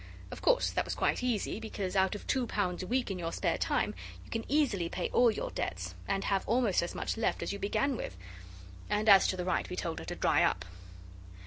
Of course that was quite easy, because out of two pounds a week in your spare time you can easily pay all your debts, and have almost as much left as you began with; and as to the right we told her to dry up.